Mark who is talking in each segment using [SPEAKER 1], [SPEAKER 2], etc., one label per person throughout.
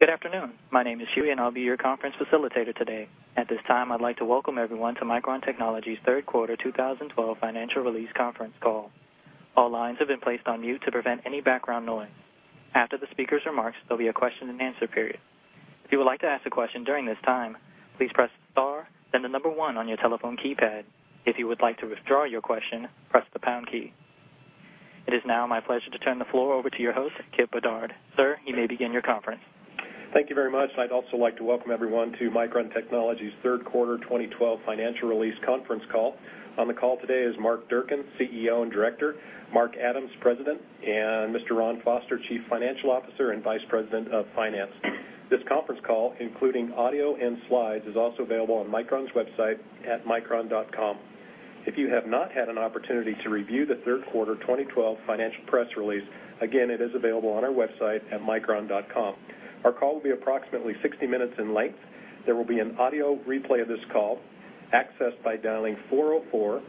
[SPEAKER 1] Good afternoon. My name is Shuey, and I'll be your conference facilitator today. At this time, I'd like to welcome everyone to Micron Technology's third quarter 2012 financial release conference call. All lines have been placed on mute to prevent any background noise. After the speakers' remarks, there'll be a question-and-answer period. If you would like to ask a question during this time, please press star, then the number one on your telephone keypad. If you would like to withdraw your question, press the pound key. It is now my pleasure to turn the floor over to your host, Kipp Bedard. Sir, you may begin your conference.
[SPEAKER 2] Thank you very much. I'd also like to welcome everyone to Micron Technology's third quarter 2012 financial release conference call. On the call today is Mark Durcan, CEO and Director, Mark Adams, President, and Mr. Ron Foster, Chief Financial Officer and Vice President of Finance. This conference call, including audio and slides, is also available on Micron's website at micron.com. If you have not had an opportunity to review the third quarter 2012 financial press release, again, it is available on our website at micron.com. Our call will be approximately 60 minutes in length. There will be an audio replay of this call, accessed by dialing 404-537-3406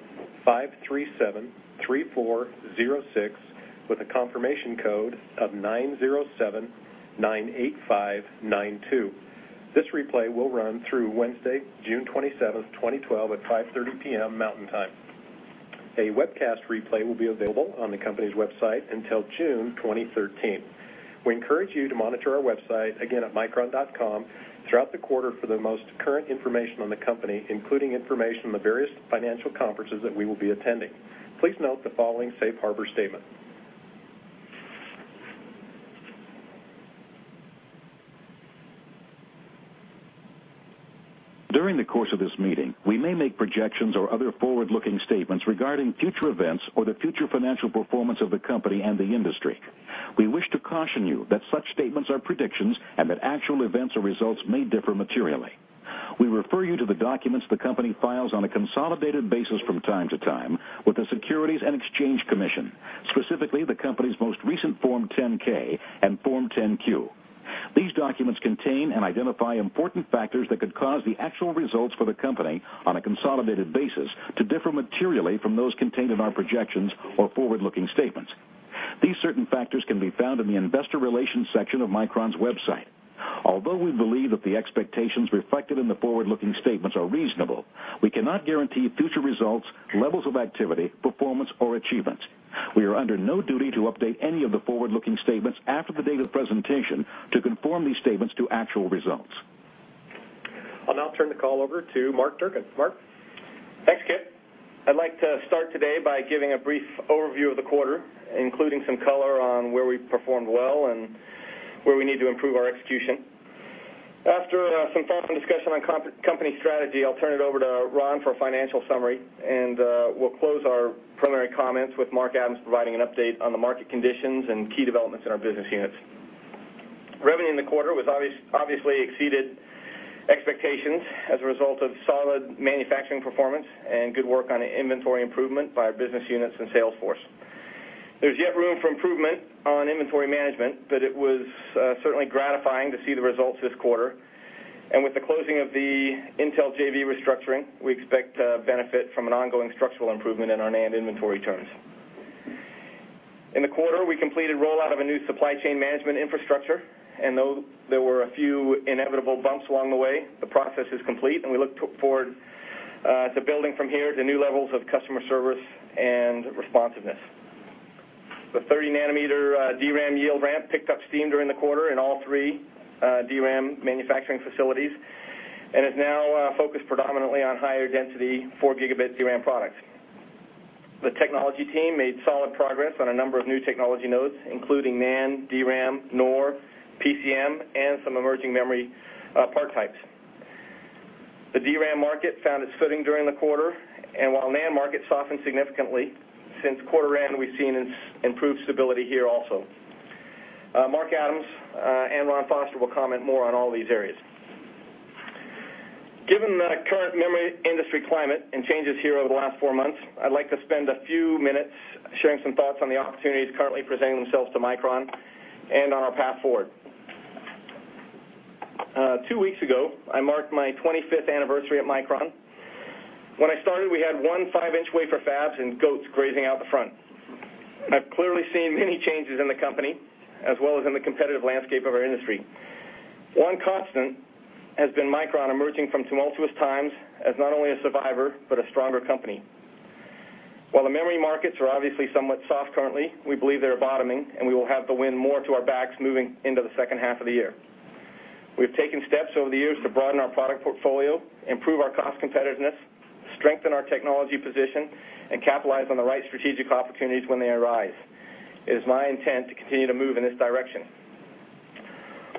[SPEAKER 2] with a confirmation code of 90798592. This replay will run through Wednesday, June 27th, 2012, at 5:30 P.M. Mountain Time. A webcast replay will be available on the company's website until June 2013. We encourage you to monitor our website, again, at micron.com, throughout the quarter for the most current information on the company, including information on the various financial conferences that we will be attending. Please note the following safe harbor statement.
[SPEAKER 3] During the course of this meeting, we may make projections or other forward-looking statements regarding future events or the future financial performance of the company and the industry. We wish to caution you that such statements are predictions and that actual events or results may differ materially. We refer you to the documents the company files on a consolidated basis from time to time with the Securities and Exchange Commission, specifically the company's most recent Form 10-K and Form 10-Q. These documents contain and identify important factors that could cause the actual results for the company, on a consolidated basis, to differ materially from those contained in our projections or forward-looking statements. These certain factors can be found in the investor relations section of Micron's website. Although we believe that the expectations reflected in the forward-looking statements are reasonable, we cannot guarantee future results, levels of activity, performance, or achievements. We are under no duty to update any of the forward-looking statements after the date of presentation to conform these statements to actual results.
[SPEAKER 2] I'll now turn the call over to Mark Durcan. Mark?
[SPEAKER 4] Thanks, Kipp. I'd like to start today by giving a brief overview of the quarter, including some color on where we performed well and where we need to improve our execution. After some thoughts and discussion on company strategy, I'll turn it over to Ron for a financial summary, and we'll close our primary comments with Mark Adams providing an update on the market conditions and key developments in our business units. Revenue in the quarter obviously exceeded expectations as a result of solid manufacturing performance and good work on the inventory improvement by our business units and sales force. There's yet room for improvement on inventory management, but it was certainly gratifying to see the results this quarter. With the closing of the Intel JV restructuring, we expect to benefit from an ongoing structural improvement in our NAND inventory turns. In the quarter, we completed rollout of a new supply chain management infrastructure, and though there were a few inevitable bumps along the way, the process is complete, and we look forward to building from here to new levels of customer service and responsiveness. The 30 nanometer DRAM yield ramp picked up steam during the quarter in all three DRAM manufacturing facilities and is now focused predominantly on higher density four gigabit DRAM products. The technology team made solid progress on a number of new technology nodes, including NAND, DRAM, NOR, PCM, and some emerging memory part types. The DRAM market found its footing during the quarter, and while NAND market softened significantly since quarter end, we've seen improved stability here also. Mark Adams and Ron Foster will comment more on all these areas. Given the current memory industry climate and changes here over the last four months, I'd like to spend a few minutes sharing some thoughts on the opportunities currently presenting themselves to Micron and on our path forward. Two weeks ago, I marked my 25th anniversary at Micron. When I started, we had one five-inch wafer fabs and goats grazing out the front. I've clearly seen many changes in the company as well as in the competitive landscape of our industry. One constant has been Micron emerging from tumultuous times as not only a survivor but a stronger company. While the memory markets are obviously somewhat soft currently, we believe they're bottoming, and we will have the wind more to our backs moving into the second half of the year. We've taken steps over the years to broaden our product portfolio, improve our cost competitiveness, strengthen our technology position, and capitalize on the right strategic opportunities when they arise. It is my intent to continue to move in this direction.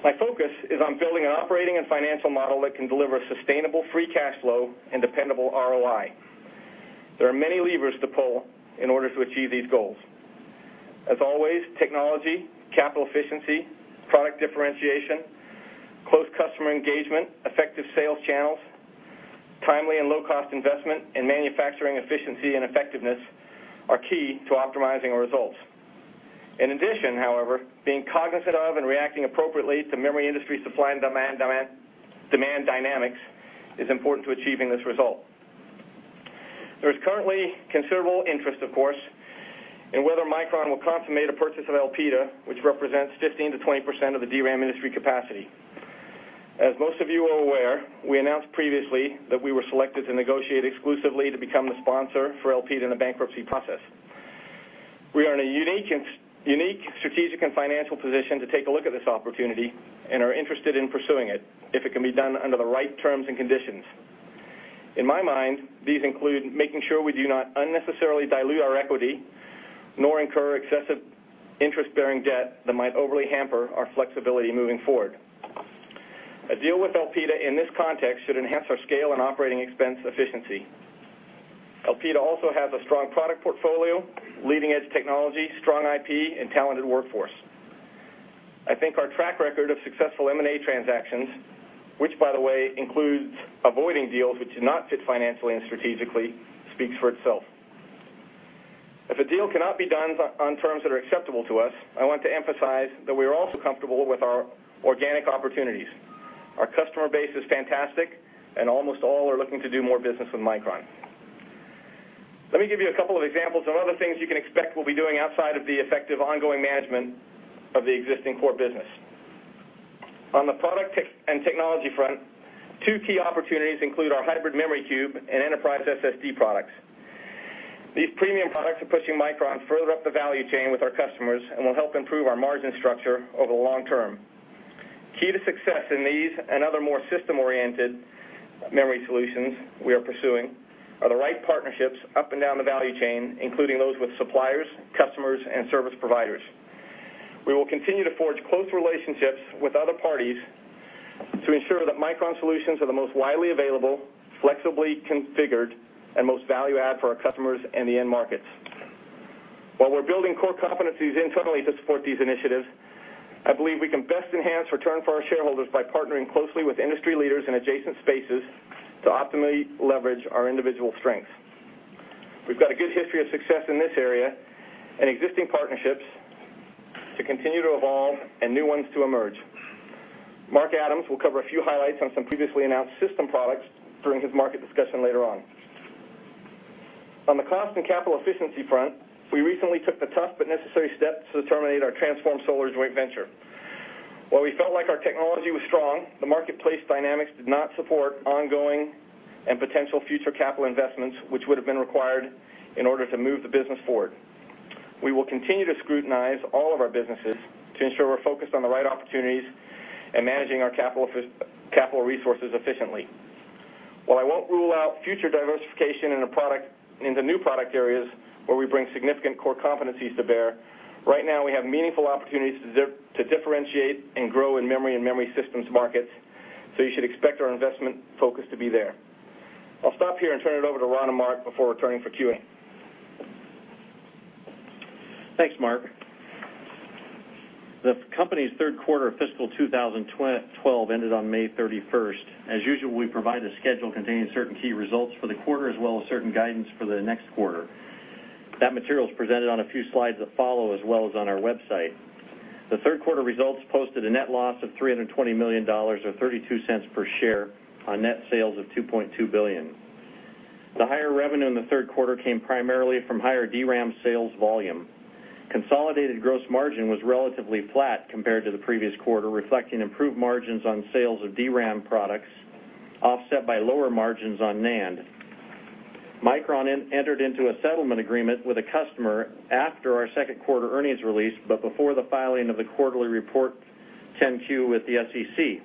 [SPEAKER 4] My focus is on building an operating and financial model that can deliver sustainable free cash flow and dependable ROI. There are many levers to pull in order to achieve these goals. As always, technology, capital efficiency, product differentiation, close customer engagement, effective sales channels, timely and low-cost investment in manufacturing efficiency and effectiveness are key to optimizing our results. In addition, however, being cognizant of and reacting appropriately to memory industry supply and demand dynamics is important to achieving this result. There's currently considerable interest, of course, in whether Micron will consummate a purchase of Elpida, which represents 15%-20% of the DRAM industry capacity. As most of you are aware, we announced previously that we were selected to negotiate exclusively to become the sponsor for Elpida in the bankruptcy process. We are in a unique strategic and financial position to take a look at this opportunity and are interested in pursuing it, if it can be done under the right terms and conditions. In my mind, these include making sure we do not unnecessarily dilute our equity, nor incur excessive interest-bearing debt that might overly hamper our flexibility moving forward. A deal with Elpida in this context should enhance our scale and operating expense efficiency. Elpida also has a strong product portfolio, leading-edge technology, strong IP, and talented workforce. I think our track record of successful M&A transactions, which by the way includes avoiding deals which do not fit financially and strategically, speaks for itself. If a deal cannot be done on terms that are acceptable to us, I want to emphasize that we are also comfortable with our organic opportunities. Our customer base is fantastic, and almost all are looking to do more business with Micron. Let me give you a couple of examples of other things you can expect we'll be doing outside of the effective ongoing management of the existing core business. On the product and technology front, two key opportunities include our Hybrid Memory Cube and enterprise SSD products. These premium products are pushing Micron further up the value chain with our customers and will help improve our margin structure over the long term. Key to success in these and other more system-oriented memory solutions we are pursuing are the right partnerships up and down the value chain, including those with suppliers, customers, and service providers. We will continue to forge close relationships with other parties to ensure that Micron solutions are the most widely available, flexibly configured, and most value add for our customers and the end markets. While we are building core competencies internally to support these initiatives, I believe we can best enhance return for our shareholders by partnering closely with industry leaders in adjacent spaces to optimally leverage our individual strengths. We have got a good history of success in this area and existing partnerships to continue to evolve and new ones to emerge. Mark Adams will cover a few highlights on some previously announced system products during his market discussion later on. On the cost and capital efficiency front, we recently took the tough but necessary steps to terminate our Transform Solar joint venture. While we felt like our technology was strong, the marketplace dynamics did not support ongoing and potential future capital investments which would have been required in order to move the business forward. We will continue to scrutinize all of our businesses to ensure we are focused on the right opportunities and managing our capital resources efficiently. While I will not rule out future diversification into new product areas where we bring significant core competencies to bear, right now we have meaningful opportunities to differentiate and grow in memory and memory systems markets. You should expect our investment focus to be there. I will stop here and turn it over to Ron and Mark before returning for QA.
[SPEAKER 5] Thanks, Mark. The company's third quarter of fiscal 2012 ended on May 31st. As usual, we provide a schedule containing certain key results for the quarter, as well as certain guidance for the next quarter. That material is presented on a few slides that follow, as well as on our website. The third quarter results posted a net loss of $320 million, or $0.32 per share on net sales of $2.2 billion. The higher revenue in the third quarter came primarily from higher DRAM sales volume. Consolidated gross margin was relatively flat compared to the previous quarter, reflecting improved margins on sales of DRAM products, offset by lower margins on NAND. Micron entered into a settlement agreement with a customer after our second quarter earnings release, but before the filing of the quarterly report 10-Q with the SEC.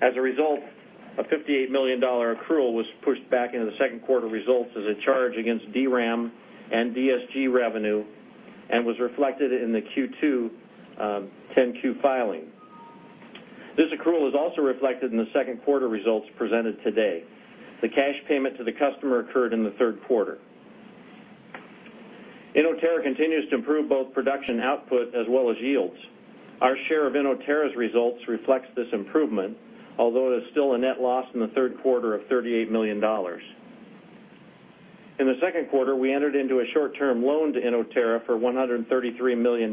[SPEAKER 5] As a result, a $58 million accrual was pushed back into the second quarter results as a charge against DRAM and DSG revenue and was reflected in the Q2 10-Q filing. This accrual is also reflected in the second quarter results presented today. The cash payment to the customer occurred in the third quarter. Inotera continues to improve both production output as well as yields. Our share of Inotera's results reflects this improvement, although it is still a net loss in the third quarter of $38 million. In the second quarter, we entered into a short-term loan to Inotera for $133 million.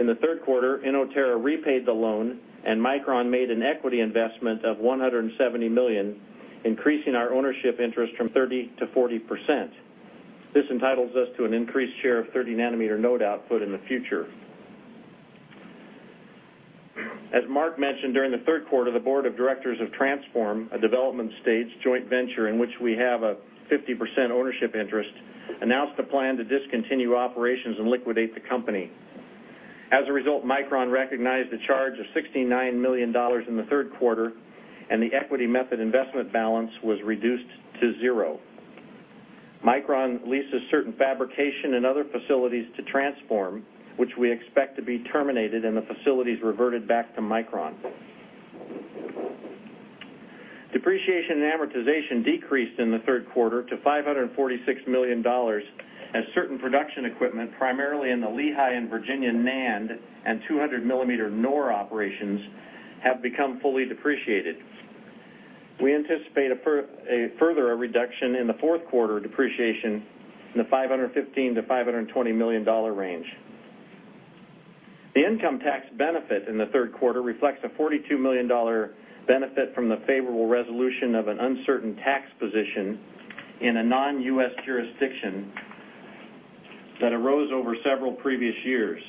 [SPEAKER 5] In the third quarter, Inotera repaid the loan, and Micron made an equity investment of $170 million, increasing our ownership interest from 30% to 40%. This entitles us to an increased share of 30 nanometer node output in the future. As Mark mentioned, during the third quarter, the board of directors of Transform, a development-stage joint venture in which we have a 50% ownership interest, announced a plan to discontinue operations and liquidate the company. As a result, Micron recognized a charge of $69 million in the third quarter, and the equity method investment balance was reduced to zero. Micron leases certain fabrication and other facilities to Transform, which we expect to be terminated and the facilities reverted back to Micron. Depreciation and amortization decreased in the third quarter to $546 million as certain production equipment, primarily in the Lehi and Virginia NAND and 200 millimeter NOR operations, have become fully depreciated. We anticipate a further reduction in the fourth quarter depreciation in the $515 million-$520 million range. The income tax benefit in the third quarter reflects a $42 million benefit from the favorable resolution of an uncertain tax position in a non-U.S. jurisdiction that arose over several previous years.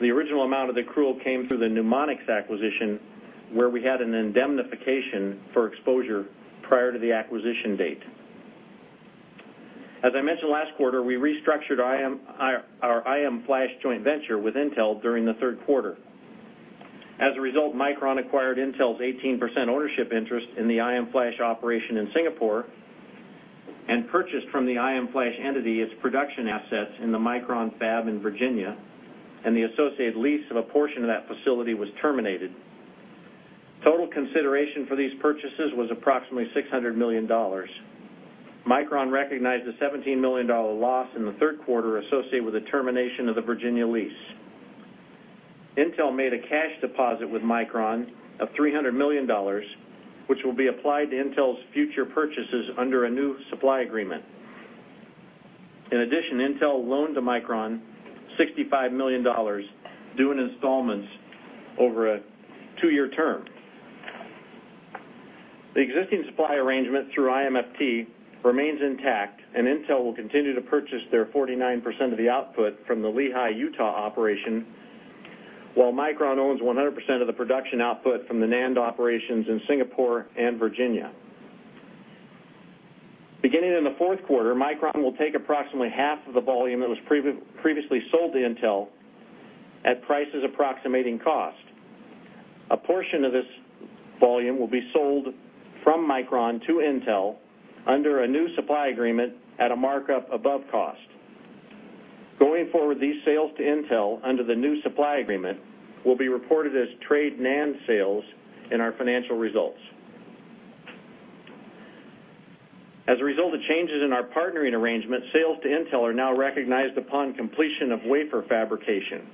[SPEAKER 5] The original amount of the accrual came through the Numonyx acquisition, where we had an indemnification for exposure prior to the acquisition date. As I mentioned last quarter, we restructured our IM Flash joint venture with Intel during the third quarter. As a result, Micron acquired Intel's 18% ownership interest in the IM Flash operation in Singapore and purchased from the IM Flash entity its production assets in the Micron fab in Virginia, and the associated lease of a portion of that facility was terminated. Total consideration for these purchases was approximately $600 million. Micron recognized a $17 million loss in the third quarter associated with the termination of the Virginia lease. Intel made a cash deposit with Micron of $300 million, which will be applied to Intel's future purchases under a new supply agreement. In addition, Intel loaned Micron $65 million due in installments over a two-year term. The existing supply arrangement through IMFT remains intact, and Intel will continue to purchase their 49% of the output from the Lehi, Utah, operation, while Micron owns 100% of the production output from the NAND operations in Singapore and Virginia. Beginning in the fourth quarter, Micron will take approximately half of the volume that was previously sold to Intel at prices approximating cost. A portion of this volume will be sold from Micron to Intel under a new supply agreement at a markup above cost. Going forward, these sales to Intel under the new supply agreement will be reported as trade NAND sales in our financial results. As a result of changes in our partnering arrangement, sales to Intel are now recognized upon completion of wafer fabrication,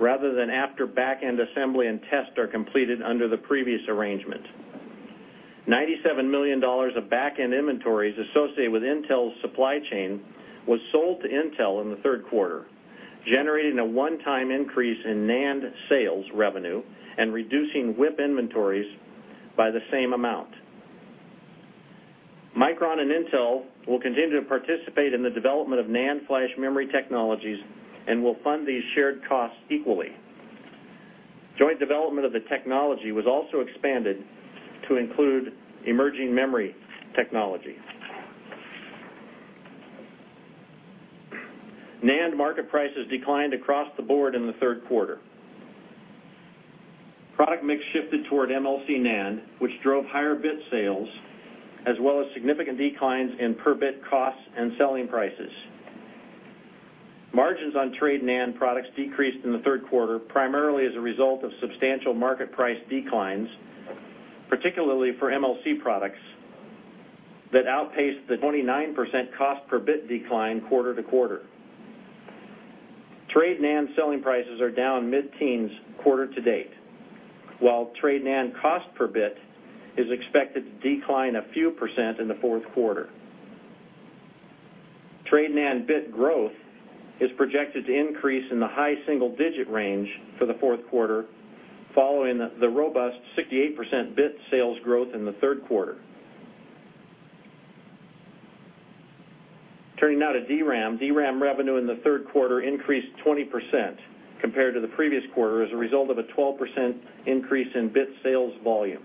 [SPEAKER 5] rather than after back-end assembly and test are completed under the previous arrangement. $97 million of back-end inventories associated with Intel's supply chain was sold to Intel in the third quarter, generating a one-time increase in NAND sales revenue and reducing WIP inventories by the same amount. Micron and Intel will continue to participate in the development of NAND flash memory technologies and will fund these shared costs equally. Joint development of the technology was also expanded to include emerging memory technology. NAND market prices declined across the board in the third quarter. Product mix shifted toward MLC NAND, which drove higher bit sales as well as significant declines in per-bit costs and selling prices. Margins on trade NAND products decreased in the third quarter, primarily as a result of substantial market price declines, particularly for MLC products, that outpaced the 29% cost per bit decline quarter to quarter. Trade NAND selling prices are down mid-teens quarter to date, while trade NAND cost per bit is expected to decline a few percent in the fourth quarter. Trade NAND bit growth is projected to increase in the high single-digit range for the fourth quarter, following the robust 68% bit sales growth in the third quarter. Turning now to DRAM. DRAM revenue in the third quarter increased 20% compared to the previous quarter as a result of a 12% increase in bit sales volume.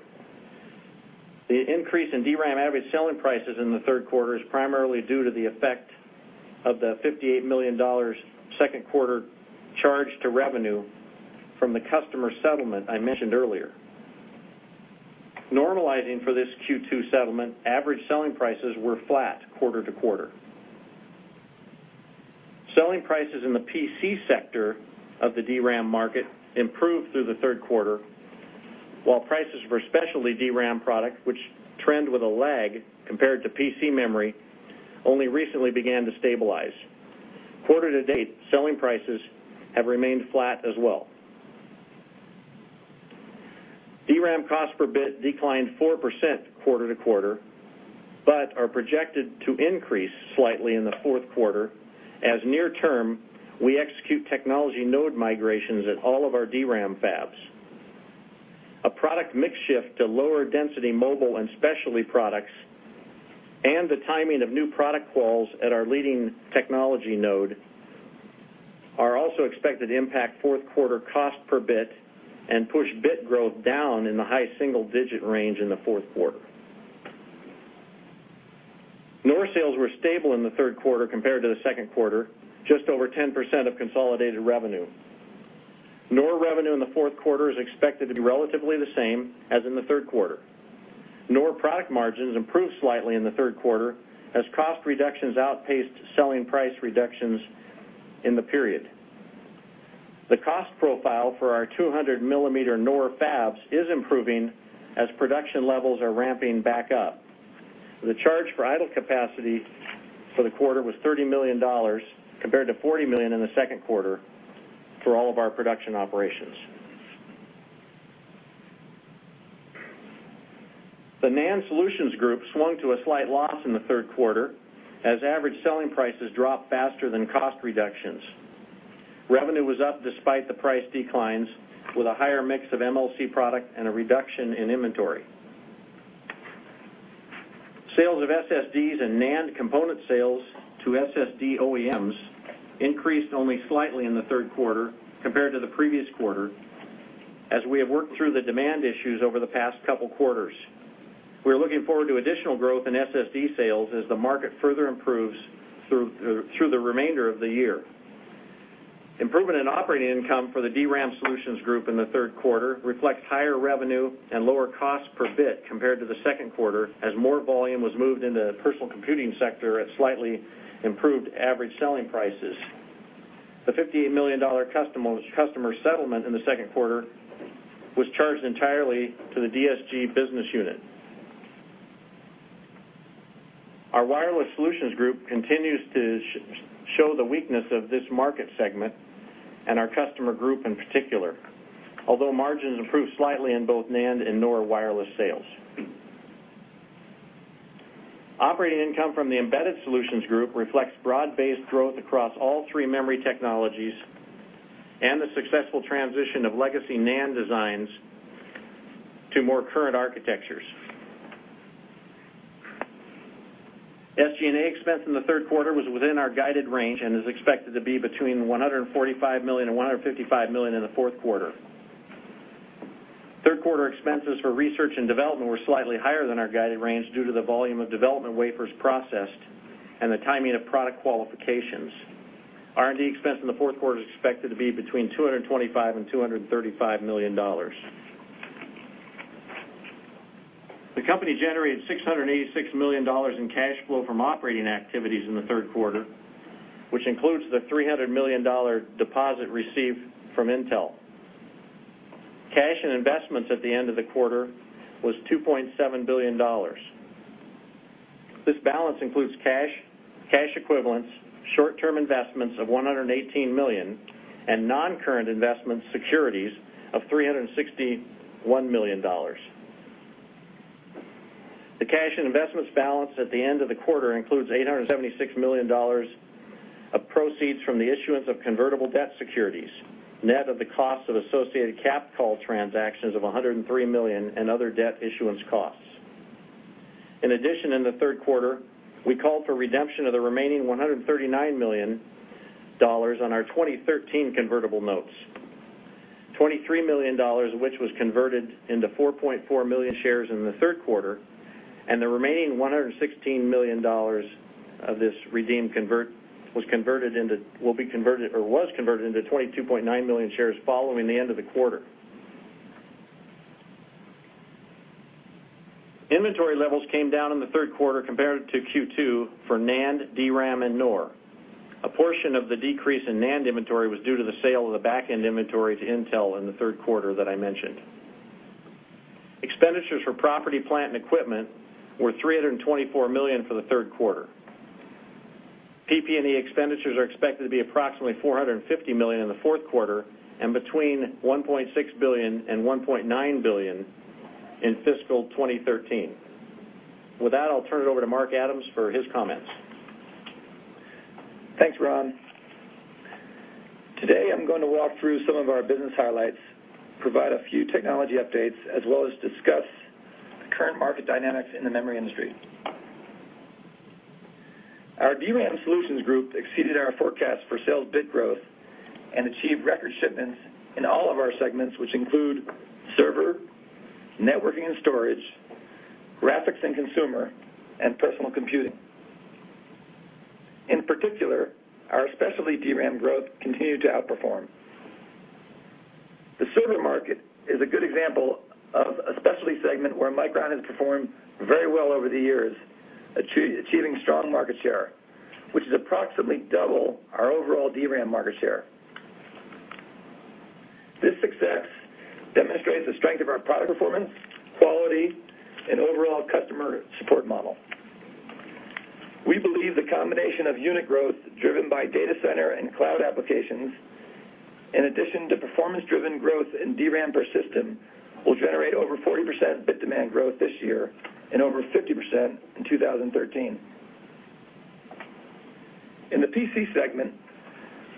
[SPEAKER 5] The increase in DRAM average selling prices in the third quarter is primarily due to the effect of the $58 million second-quarter charge to revenue from the customer settlement I mentioned earlier. Normalizing for this Q2 settlement, average selling prices were flat quarter to quarter. Selling prices in the PC sector of the DRAM market improved through the third quarter, while prices for specialty DRAM products, which trend with a lag compared to PC memory, only recently began to stabilize. Quarter to date, selling prices have remained flat as well. DRAM cost per bit declined 4% quarter to quarter, but are projected to increase slightly in the fourth quarter as near-term, we execute technology node migrations at all of our DRAM fabs. A product mix shift to lower density mobile and specialty products and the timing of new product quals at our leading technology node are also expected to impact fourth quarter cost per bit and push bit growth down in the high single-digit range in the fourth quarter. NOR sales were stable in the third quarter compared to the second quarter, just over 10% of consolidated revenue. NOR revenue in the fourth quarter is expected to be relatively the same as in the third quarter. NOR product margins improved slightly in the third quarter as cost reductions outpaced selling price reductions in the period. The cost profile for our 200-millimeter NOR fabs is improving as production levels are ramping back up. The charge for idle capacity for the quarter was $30 million compared to $40 million in the second quarter for all of our production operations. The NAND Solutions Group swung to a slight loss in the third quarter as average selling prices dropped faster than cost reductions. Revenue was up despite the price declines, with a higher mix of MLC product and a reduction in inventory. Sales of SSDs and NAND component sales to SSD OEMs increased only slightly in the third quarter compared to the previous quarter, as we have worked through the demand issues over the past couple of quarters. We're looking forward to additional growth in SSD sales as the market further improves through the remainder of the year. Improvement in operating income for the DRAM Solutions Group in the third quarter reflects higher revenue and lower cost per bit compared to the second quarter, as more volume was moved into the personal computing sector at slightly improved average selling prices. The $58 million customer settlement in the second quarter was charged entirely to the DSG business unit. Our Wireless Solutions Group continues to show the weakness of this market segment and our customer group in particular. Although margins improved slightly in both NAND and NOR wireless sales. Operating income from the Embedded Solutions Group reflects broad-based growth across all three memory technologies and the successful transition of legacy NAND designs to more current architectures. SG&A expense in the third quarter was within our guided range and is expected to be between $145 million and $155 million in the fourth quarter. Third-quarter expenses for research and development were slightly higher than our guided range due to the volume of development wafers processed and the timing of product qualifications. R&D expense in the fourth quarter is expected to be between $225 million and $235 million. The company generated $686 million in cash flow from operating activities in the third quarter, which includes the $300 million deposit received from Intel. Cash and investments at the end of the quarter was $2.7 billion. This balance includes cash equivalents, short-term investments of $118 million, and non-current investment securities of $361 million. The cash and investments balance at the end of the quarter includes $876 million of proceeds from the issuance of convertible debt securities, net of the cost of associated cap call transactions of $103 million and other debt issuance costs. In addition, in the third quarter, we called for redemption of the remaining $139 million on our 2013 convertible notes, $23 million of which was converted into 4.4 million shares in the third quarter, and the remaining $116 million of this was converted into 22.9 million shares following the end of the quarter. Inventory levels came down in the third quarter compared to Q2 for NAND, DRAM, and NOR. A portion of the decrease in NAND inventory was due to the sale of the back-end inventory to Intel in the third quarter that I mentioned. Expenditures for property, plant, and equipment were $324 million for the third quarter. PP&E expenditures are expected to be approximately $450 million in the fourth quarter and between $1.6 billion and $1.9 billion in fiscal 2013. With that, I'll turn it over to Mark Adams for his comments.
[SPEAKER 6] Thanks, Ron. Today, I'm going to walk through some of our business highlights, provide a few technology updates, as well as discuss the current market dynamics in the memory industry. Our DRAM solutions group exceeded our forecast for sales bit growth and achieved record shipments in all of our segments, which include server, networking and storage, graphics and consumer, and personal computing. In particular, our specialty DRAM growth continued to outperform. The server market is a good example of a specialty segment where Micron has performed very well over the years, achieving strong market share, which is approximately double our overall DRAM market share. This success demonstrates the strength of our product performance, quality, and overall customer support model. We believe the combination of unit growth driven by data center and cloud applications, in addition to performance-driven growth in DRAM per system, will generate over 40% bit demand growth this year and over 50% in 2013. In the PC segment,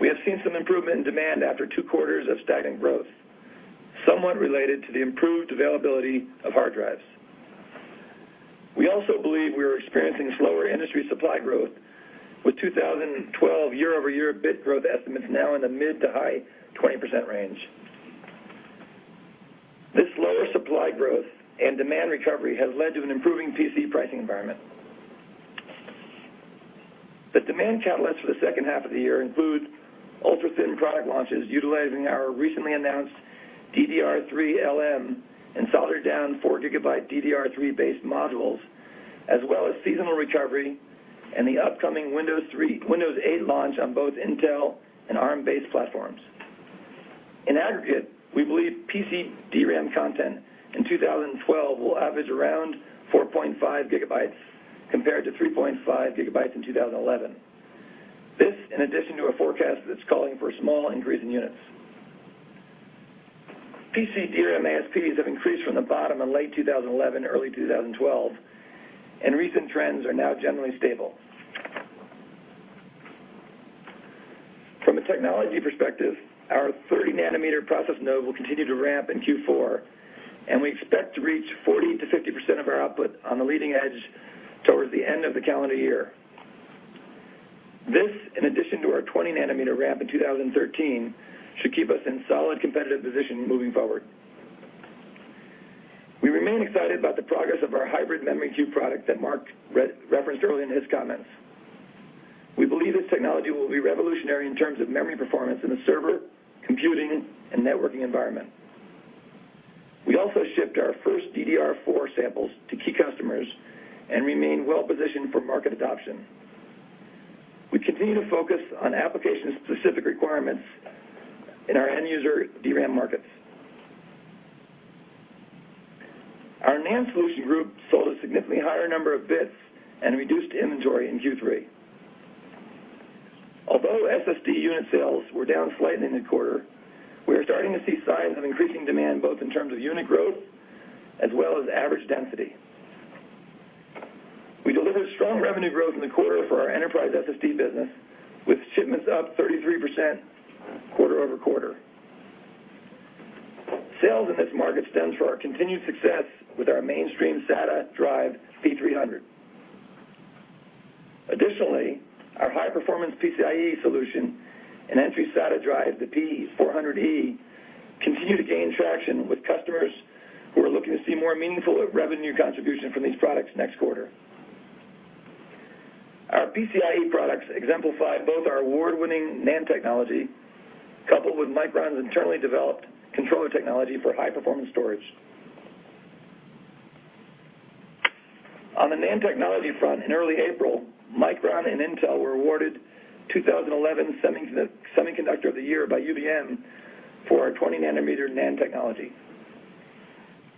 [SPEAKER 6] we have seen some improvement in demand after two quarters of stagnant growth, somewhat related to the improved availability of hard drives. We also believe we are experiencing slower industry supply growth, with 2012 year-over-year bit growth estimates now in the mid to high 20% range. This lower supply growth and demand recovery has led to an improving PC pricing environment. The demand catalysts for the second half of the year include ultra-thin product launches utilizing our recently announced DDR3L and soldered down 4 gigabyte DDR3-based modules, as well as seasonal recovery and the upcoming Windows 8 launch on both Intel and Arm-based platforms. In aggregate, we believe PC DRAM content in 2012 will average around 4.5 gigabytes compared to 3.5 gigabytes in 2011. This, in addition to a forecast that's calling for a small increase in units. PC DRAM ASPs have increased from the bottom in late 2011, early 2012, and recent trends are now generally stable. From a technology perspective, our 30 nanometer process node will continue to ramp in Q4, and we expect to reach 40%-50% of our output on the leading edge towards the end of the calendar year. This, in addition to our 20 nanometer ramp in 2013, should keep us in solid competitive position moving forward. We remain excited about the progress of our Hybrid Memory Cube product that Mark referenced earlier in his comments. We believe this technology will be revolutionary in terms of memory performance in the server, computing, and networking environment. We also shipped our first DDR4 samples to key customers and remain well-positioned for market adoption. We continue to focus on application-specific requirements in our end-user DRAM markets. Our NAND Solutions Group sold a significantly higher number of bits and reduced inventory in Q3. Although SSD unit sales were down slightly in the quarter, we are starting to see signs of increasing demand, both in terms of unit growth as well as average density. We delivered strong revenue growth in the quarter for our enterprise SSD business, with shipments up 33% quarter-over-quarter. Sales in this market stems from our continued success with our mainstream SATA drive P300. Additionally, our high-performance PCIe solution and entry SATA drive, the P400e, continue to gain traction with customers. We're looking to see more meaningful revenue contribution from these products next quarter. Our PCIe products exemplify both our award-winning NAND technology, coupled with Micron's internally developed controller technology for high-performance storage. On the NAND technology front in early April, Micron and Intel were awarded 2011 Semiconductor of the Year by UBM for our 20 nanometer NAND technology.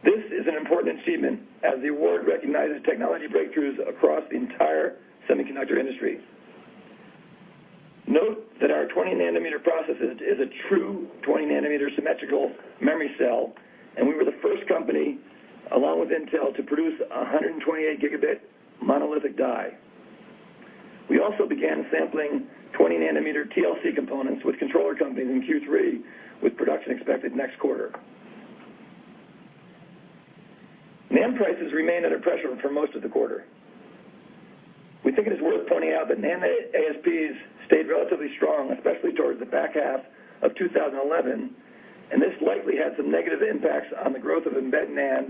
[SPEAKER 6] This is an important achievement, as the award recognizes technology breakthroughs across the entire semiconductor industry. Note that our 20 nanometer process is a true 20 nanometer symmetrical memory cell, and we were the first company, along with Intel, to produce 128 gigabit monolithic die. We also began sampling 20 nanometer TLC components with controller companies in Q3, with production expected next quarter. NAND prices remained under pressure for most of the quarter. We think it is worth pointing out that NAND ASPs stayed relatively strong, especially towards the back half of 2011, and this likely had some negative impacts on the growth of embedded NAND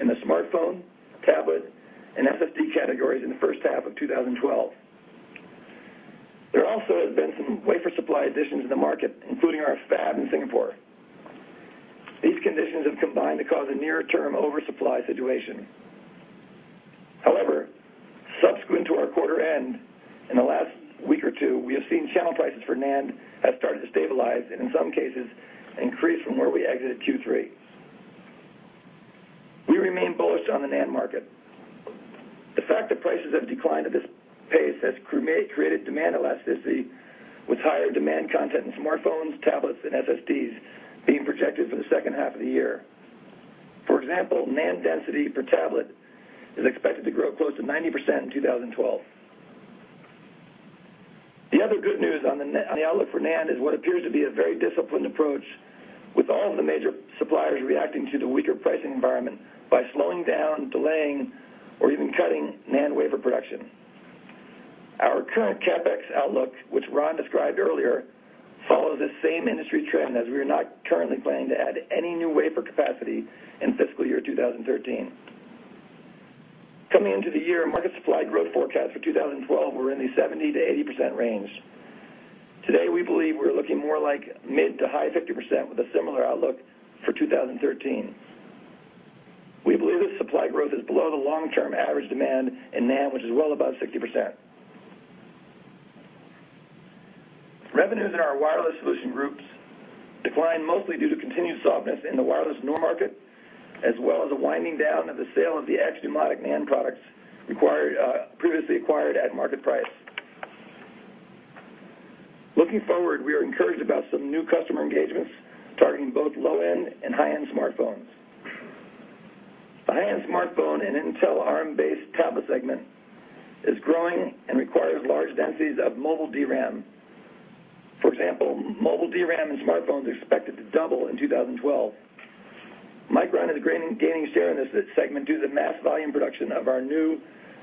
[SPEAKER 6] in the smartphone, tablet, and SSD categories in the first half of 2012. There also has been some wafer supply additions in the market, including our fab in Singapore. These conditions have combined to cause a near-term oversupply situation. However, subsequent to our quarter end, in the last week or two, we have seen channel prices for NAND have started to stabilize, and in some cases, increase from where we exited Q3. We remain bullish on the NAND market. The fact that prices have declined at this pace has created demand elasticity with higher demand content in smartphones, tablets, and SSDs being projected for the second half of the year. For example, NAND density per tablet is expected to grow close to 90% in 2012. The other good news on the outlook for NAND is what appears to be a very disciplined approach, with all of the major suppliers reacting to the weaker pricing environment by slowing down, delaying, or even cutting NAND wafer production. Our current CapEx outlook, which Ron described earlier, follows the same industry trend, as we are not currently planning to add any new wafer capacity in fiscal year 2013. Coming into the year, market supply growth forecasts for 2012 were in the 70%-80% range. Today, we believe we're looking more like mid to high 50%, with a similar outlook for 2013. We believe this supply growth is below the long-term average demand in NAND, which is well above 60%. Revenues in our Wireless Solutions Group declined mostly due to continued softness in the wireless NOR market, as well as the winding down of the sale of the Numonyx NAND products previously acquired at market price. Looking forward, we are encouraged about some new customer engagements targeting both low-end and high-end smartphones. The high-end smartphone and Intel Arm-based tablet segment is growing and requires large densities of mobile DRAM. For example, mobile DRAM in smartphones are expected to double in 2012. Micron is gaining share in this segment due to the mass volume production of our new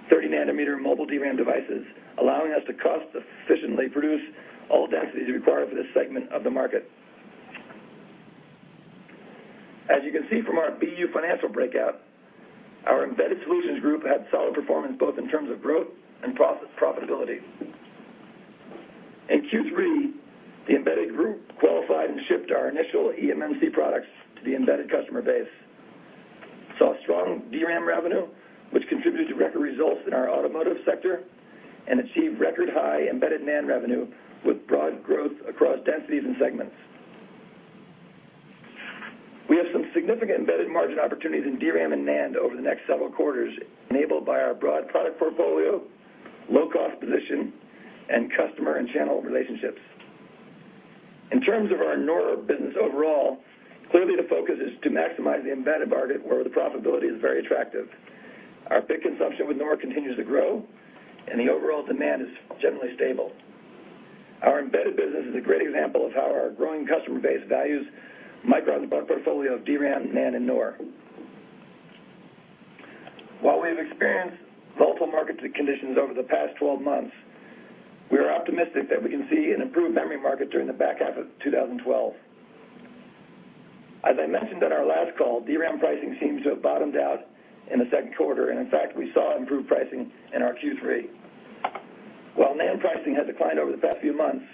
[SPEAKER 6] 30 nanometer mobile DRAM devices, allowing us to cost-efficiently produce all densities required for this segment of the market. As you can see from our BU financial breakout, our Embedded Solutions Group had solid performance both in terms of growth and profitability. In Q3, the embedded group qualified and shipped our initial eMMC products to the embedded customer base, saw strong DRAM revenue, which contributed to record results in our automotive sector, and achieved record-high embedded NAND revenue with broad growth across densities and segments. We have some significant embedded margin opportunities in DRAM and NAND over the next several quarters, enabled by our broad product portfolio, low-cost position, and customer and channel relationships. In terms of our NOR business overall, clearly the focus is to maximize the embedded market where the profitability is very attractive. Our bit consumption with NOR continues to grow, and the overall demand is generally stable. Our embedded business is a great example of how our growing customer base values Micron's product portfolio of DRAM, NAND, and NOR. While we've experienced multiple market conditions over the past 12 months, we are optimistic that we can see an improved memory market during the back half of 2012. As I mentioned on our last call, DRAM pricing seems to have bottomed out in the second quarter. In fact, we saw improved pricing in our Q3. While NAND pricing has declined over the past few months,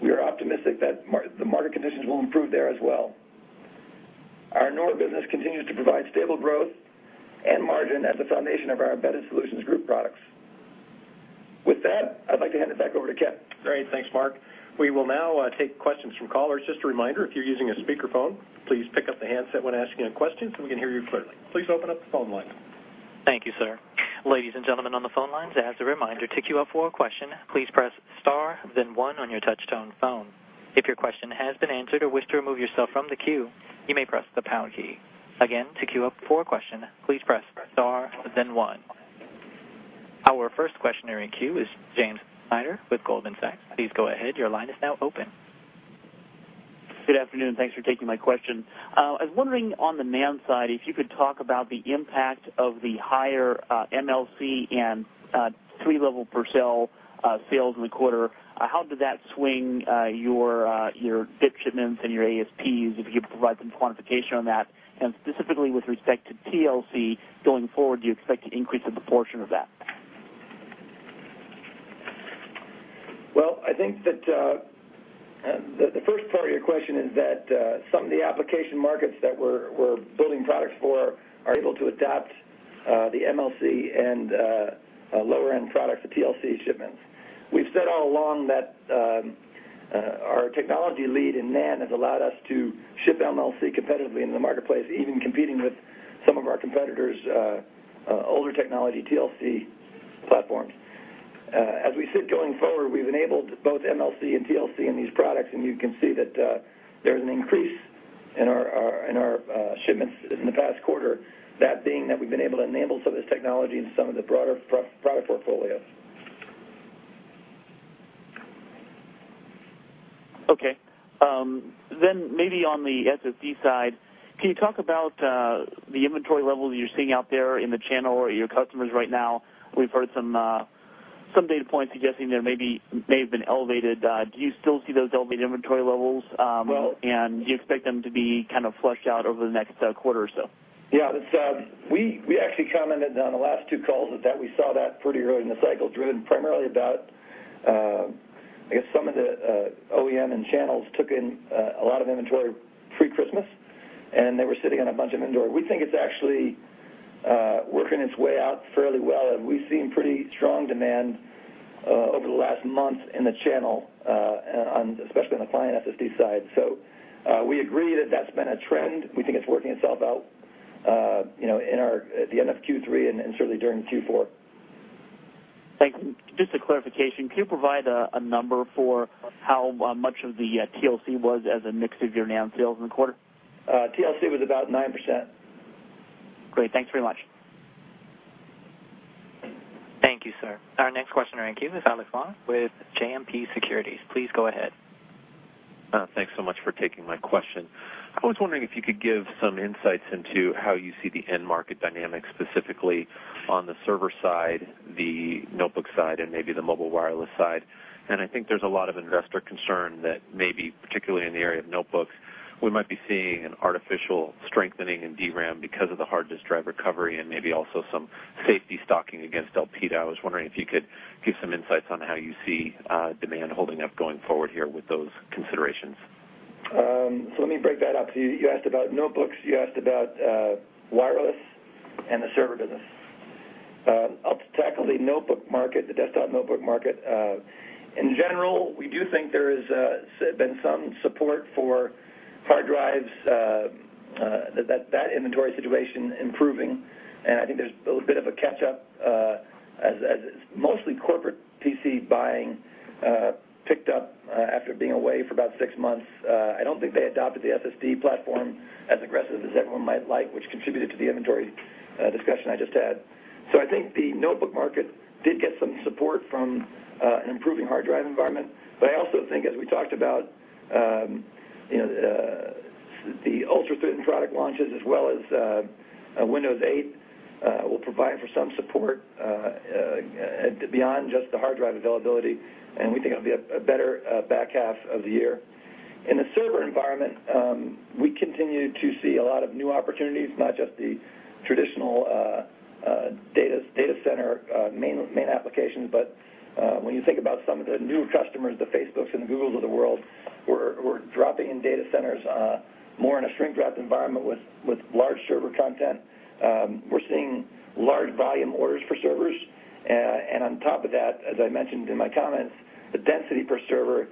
[SPEAKER 6] we are optimistic that the market conditions will improve there as well. Our NOR business continues to provide stable growth and margin as the foundation of our Embedded Solutions Group products. With that, I'd like to hand it back over to Kipp.
[SPEAKER 2] Great. Thanks, Mark. We will now take questions from callers. Just a reminder, if you're using a speakerphone, please pick up the handset when asking a question so we can hear you clearly. Please open up the phone line.
[SPEAKER 1] Thank you, sir. Ladies and gentlemen on the phone lines, as a reminder, to queue up for a question, please press star then one on your touch-tone phone. If your question has been answered or wish to remove yourself from the queue, you may press the pound key. Again, to queue up for a question, please press star then one. Our first questioner in the queue is James Schneider with Goldman Sachs. Please go ahead. Your line is now open.
[SPEAKER 7] Good afternoon. Thanks for taking my question. I was wondering on the NAND side, if you could talk about the impact of the higher MLC and three-level per cell sales in the quarter. How did that swing your bit shipments and your ASPs, if you could provide some quantification on that? Specifically with respect to TLC going forward, do you expect to increase the proportion of that?
[SPEAKER 6] Well, I think that the first part of your question is that some of the application markets that we're building products for are able to adapt the MLC and lower-end products to TLC shipments. We've said all along that our technology lead in NAND has allowed us to ship MLC competitively in the marketplace, even competing with some of our competitors' older technology TLC platforms. As we sit going forward, we've enabled both MLC and TLC in these products, and you can see that there is an increase in our shipments in the past quarter, that being that we've been able to enable some of this technology in some of the broader product portfolios.
[SPEAKER 7] Okay. Maybe on the SSD side, can you talk about the inventory levels you're seeing out there in the channel or your customers right now? We've heard some data points suggesting they may have been elevated. Do you still see those elevated inventory levels?
[SPEAKER 6] Well-
[SPEAKER 7] Do you expect them to be kind of flushed out over the next quarter or so?
[SPEAKER 6] Yeah. We actually commented on the last two calls that we saw that pretty early in the cycle, driven primarily about, I guess, some of the OEM and channels took in a lot of inventory pre-Christmas, and they were sitting on a bunch of inventory. We think it's actually working its way out fairly well, and we've seen pretty strong demand over the last month in the channel, especially on the client SSD side. We agree that that's been a trend. We think it's working itself out at the end of Q3 and certainly during Q4.
[SPEAKER 7] Thanks. Just a clarification, can you provide a number for how much of the TLC was as a mix of your NAND sales in the quarter?
[SPEAKER 6] TLC was about 9%.
[SPEAKER 7] Great. Thanks very much.
[SPEAKER 1] Thank you, sir. Our next questioner in the queue is Alex Wong with JMP Securities. Please go ahead.
[SPEAKER 8] Thanks so much for taking my question. I was wondering if you could give some insights into how you see the end market dynamics, specifically on the server side, the notebook side, and maybe the mobile wireless side. I think there's a lot of investor concern that maybe, particularly in the area of notebooks, we might be seeing an artificial strengthening in DRAM because of the hard disk drive recovery and maybe also some safety stocking against LPDDR. I was wondering if you could give some insights on how you see demand holding up going forward here with those considerations.
[SPEAKER 6] Let me break that up. You asked about notebooks, you asked about wireless, and the server business. I'll tackle the notebook market, the desktop notebook market. In general, we do think there has been some support for hard drives, that inventory situation improving, and I think there's a little bit of a catch-up as mostly corporate PC buying picked up after being away for about six months. I don't think they adopted the SSD platform as aggressive as everyone might like, which contributed to the inventory discussion I just had. I think the notebook market did get some support from an improving hard drive environment. I also think, as we talked about, the Ultrathin product launches as well as Windows 8 will provide for some support beyond just the hard drive availability, and we think it'll be a better back half of the year. In the server environment, we continue to see a lot of new opportunities, not just the traditional data center main applications, but when you think about some of the newer customers, the Facebooks and the Googles of the world, who are dropping in data centers more in a shrink wrap environment with large server content. We're seeing large volume orders for servers. On top of that, as I mentioned in my comments, the density per server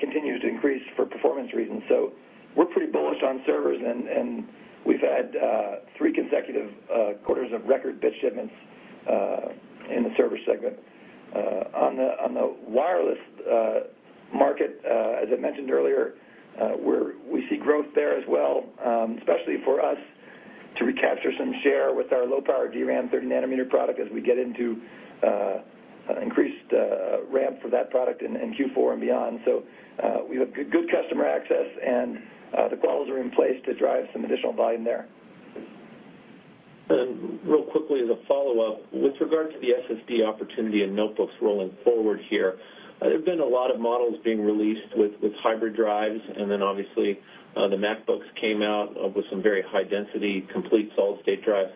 [SPEAKER 6] continues to increase for performance reasons. We're pretty bullish on servers, and we've had three consecutive quarters of record bit shipments in the server segment. On the wireless market, as I mentioned earlier, we see growth there as well, especially for us to recapture some share with our low-power DRAM 30 nanometer product as we get into increased ramp for that product in Q4 and beyond. We have good customer access, and the qualities are in place to drive some additional volume there.
[SPEAKER 8] Real quickly as a follow-up, with regard to the SSD opportunity and notebooks rolling forward here, there have been a lot of models being released with hybrid drives, and obviously the MacBook came out with some very high-density, complete solid-state drives.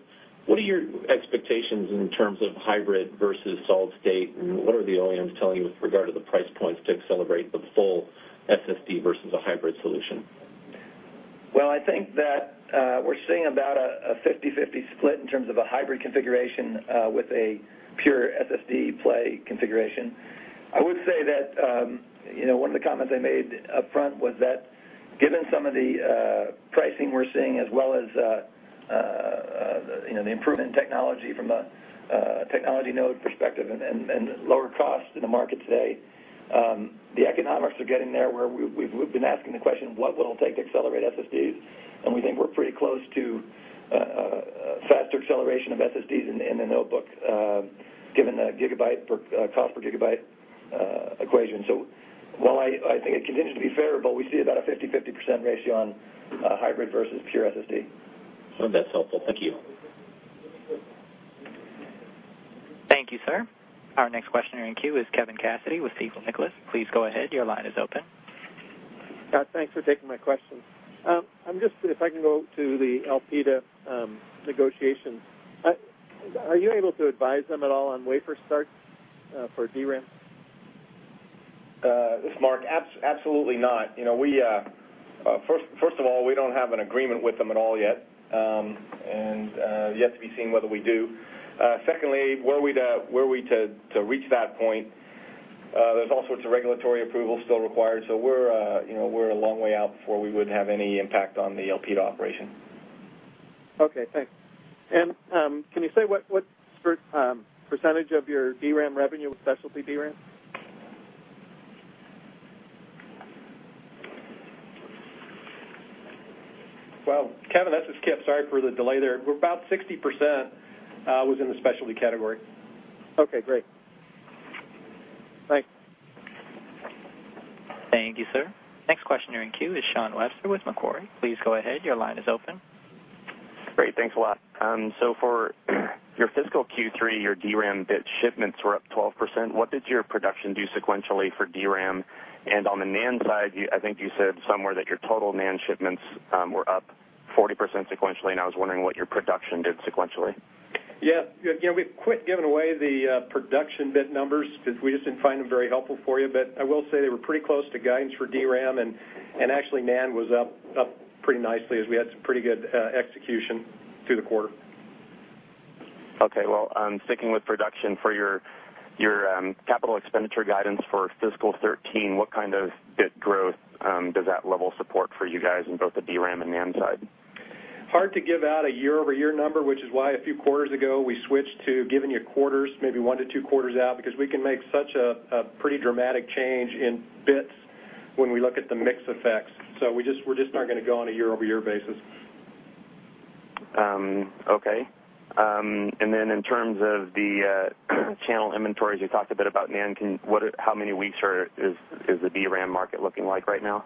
[SPEAKER 8] What are your expectations in terms of hybrid versus solid-state? What are the OEMs telling you with regard to the price points to accelerate the full SSD versus a hybrid solution?
[SPEAKER 6] Well, I think that we're seeing about a 50/50 split in terms of a hybrid configuration with a pure SSD play configuration. I would say that one of the comments I made up front was that given some of the pricing we're seeing, as well as the improvement in technology from a technology node perspective and lower cost in the market today, the economics are getting there where we've been asking the question, what will it take to accelerate SSDs? We think we're pretty close to a faster acceleration of SSDs in the notebook given the cost per gigabyte equation. While I think it continues to be favorable, we see about a 50/50% ratio on hybrid versus pure SSD.
[SPEAKER 8] That's helpful. Thank you.
[SPEAKER 1] Thank you, sir. Our next questioner in queue is Kevin Cassidy with Stifel, Nicolaus. Please go ahead. Your line is open.
[SPEAKER 9] Yeah, thanks for taking my question. If I can go to the Elpida negotiations, are you able to advise them at all on wafer starts for DRAM?
[SPEAKER 4] This is Mark. Absolutely not. First of all, we don't have an agreement with them at all yet, and yet to be seen whether we do. Secondly, were we to reach that point, there's all sorts of regulatory approvals still required, so we're a long way out before we would have any impact on the Elpida operation.
[SPEAKER 9] Okay, thanks. Can you say what percentage of your DRAM revenue was specialty DRAM?
[SPEAKER 2] Well, Kevin, this is Kipp. Sorry for the delay there. About 60% was in the specialty category.
[SPEAKER 9] Okay, great. Thanks.
[SPEAKER 1] Thank you, sir. Next questioner in queue is Shawn Webster with Macquarie. Please go ahead. Your line is open.
[SPEAKER 10] Great. Thanks a lot. For your fiscal Q3, your DRAM bit shipments were up 12%. What did your production do sequentially for DRAM? On the NAND side, I think you said somewhere that your total NAND shipments were up 40% sequentially, and I was wondering what your production did sequentially.
[SPEAKER 6] Yeah. We've quit giving away the production bit numbers because we just didn't find them very helpful for you. I will say they were pretty close to guidance for DRAM, and actually NAND was up pretty nicely as we had some pretty good execution through the quarter.
[SPEAKER 10] Well, sticking with production for your capital expenditure guidance for fiscal 2013, what kind of bit growth does that level support for you guys in both the DRAM and NAND side?
[SPEAKER 6] Hard to give out a year-over-year number, which is why a few quarters ago, we switched to giving you quarters, maybe one to two quarters out, because we can make such a pretty dramatic change in bits when we look at the mix effects. We just aren't going to go on a year-over-year basis.
[SPEAKER 10] Okay. In terms of the channel inventories, you talked a bit about NAND. How many weeks is the DRAM market looking like right now?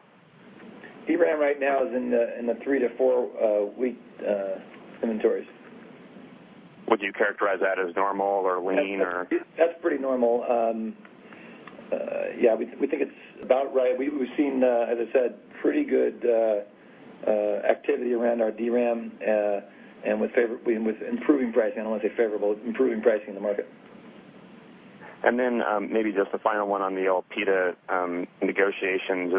[SPEAKER 6] DRAM right now is in the three- to four-week inventories.
[SPEAKER 10] Would you characterize that as normal or lean or?
[SPEAKER 6] That's pretty normal. Yeah, we think it's about right. We've seen, as I said, pretty good activity around our DRAM and with improving pricing. I don't want to say favorable, improving pricing in the market.
[SPEAKER 10] Maybe just the final one on the Elpida negotiations.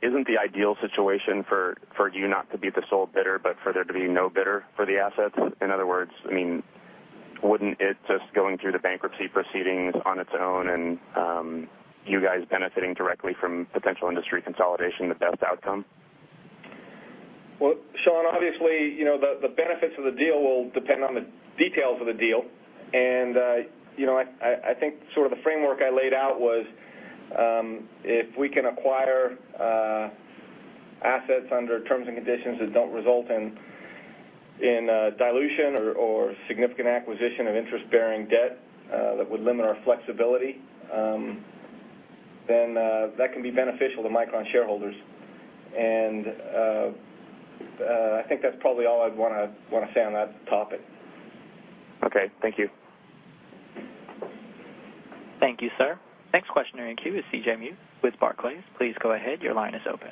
[SPEAKER 10] Isn't the ideal situation for you not to be the sole bidder, but for there to be no bidder for the assets? In other words, wouldn't it just going through the bankruptcy proceedings on its own and you guys benefiting directly from potential industry consolidation the best outcome?
[SPEAKER 4] Well, Shawn, obviously, the benefits of the deal will depend on the details of the deal, and I think sort of the framework I laid out was if we can acquire assets under terms and conditions that don't result in dilution or significant acquisition of interest-bearing debt that would limit our flexibility, then that can be beneficial to Micron shareholders. I think that's probably all I'd want to say on that topic.
[SPEAKER 10] Okay. Thank you.
[SPEAKER 1] Thank you, sir. Next questioner in queue is C.J. Muse with Barclays. Please go ahead. Your line is open.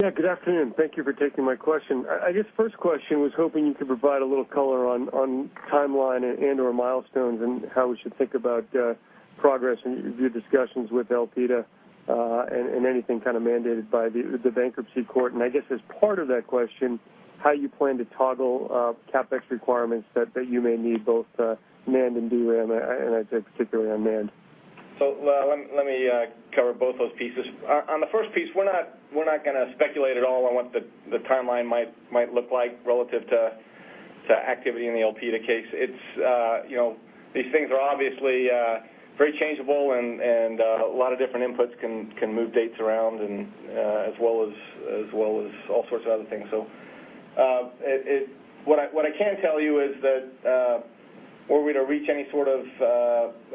[SPEAKER 11] Good afternoon. Thank you for taking my question. I guess first question was hoping you could provide a little color on timeline and/or milestones and how we should think about progress in your discussions with Elpida and anything kind of mandated by the bankruptcy court. I guess as part of that question, how you plan to toggle CapEx requirements that you may need both NAND and DRAM, and I'd say particularly on NAND.
[SPEAKER 4] Let me cover both those pieces. On the first piece, we're not going to speculate at all on what the timeline might look like relative to activity in the Elpida case. These things are obviously very changeable, and a lot of different inputs can move dates around, as well as all sorts of other things. What I can tell you is that were we to reach any sort of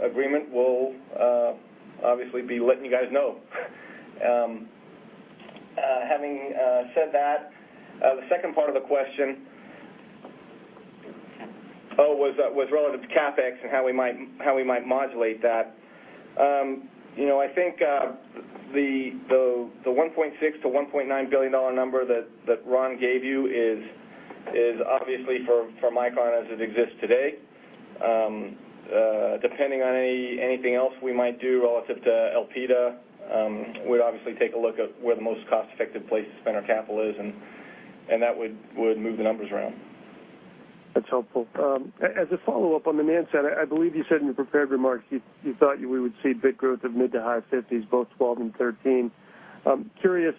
[SPEAKER 4] agreement, we'll obviously be letting you guys know. Having said that, the second part of the question was relative to CapEx and how we might modulate that. I think the $1.6 billion-$1.9 billion number that Ron gave you is obviously for Micron as it exists today. Depending on anything else we might do relative to Elpida, we'd obviously take a look at where the most cost-effective place to spend our capital is. That would move the numbers around.
[SPEAKER 11] That's helpful. As a follow-up on the NAND side, I believe you said in your prepared remarks, you thought we would see bit growth of mid to high 50s, both 2012 and 2013. I'm curious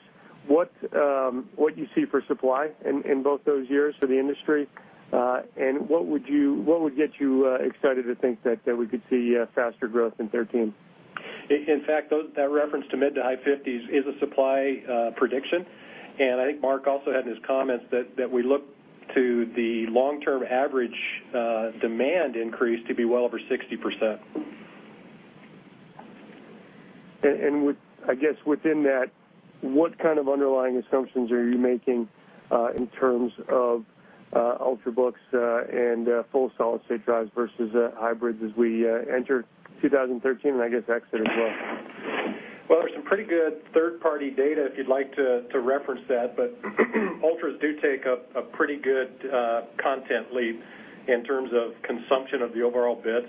[SPEAKER 11] what you see for supply in both those years for the industry. What would get you excited to think that we could see faster growth in 2013?
[SPEAKER 2] In fact, that reference to mid to high 50s is a supply prediction. I think Mark also had in his comments that we look to the long-term average demand increase to be well over 60%.
[SPEAKER 11] I guess within that, what kind of underlying assumptions are you making in terms of ultrabooks and full solid-state drives versus hybrids as we enter 2013? I guess exit as well?
[SPEAKER 2] There's some pretty good third-party data if you'd like to reference that, but Ultras do take a pretty good content lead in terms of consumption of the overall bits.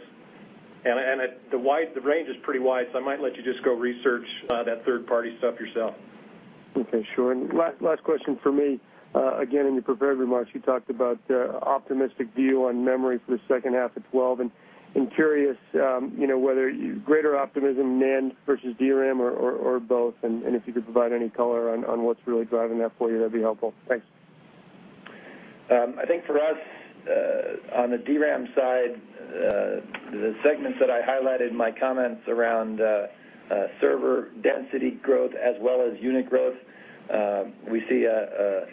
[SPEAKER 2] The range is pretty wide, so I might let you just go research that third-party stuff yourself.
[SPEAKER 11] Okay, sure. Last question from me. Again, in your prepared remarks, you talked about optimistic view on memory for the second half of 2012, I'm curious whether greater optimism, NAND versus DRAM or both, if you could provide any color on what's really driving that for you, that'd be helpful. Thanks.
[SPEAKER 6] I think for us, on the DRAM side, the segments that I highlighted in my comments around server density growth as well as unit growth, we see a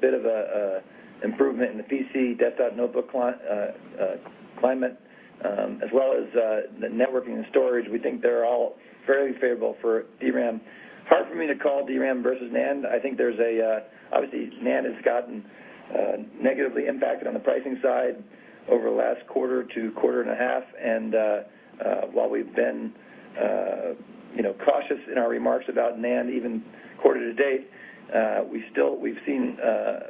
[SPEAKER 6] bit of an improvement in the PC desktop notebook climate, as well as the networking and storage. We think they're all very favorable for DRAM. Hard for me to call DRAM versus NAND. I think, obviously, NAND has gotten negatively impacted on the pricing side over the last quarter to quarter and a half. While we've been cautious in our remarks about NAND, even quarter to date, we've seen